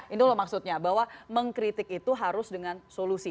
itu loh maksudnya bahwa mengkritik itu harus dengan solusi